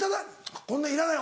こんなんいらない！